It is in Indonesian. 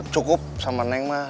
cukup sama neng mah